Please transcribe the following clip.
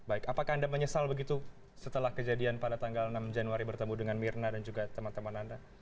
baik apakah anda menyesal begitu setelah kejadian pada tanggal enam januari bertemu dengan mirna dan juga teman teman anda